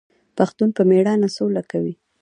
پښتون په میړانه سوله کوي.